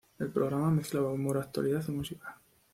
El programa mezclaba humor, actualidad y música.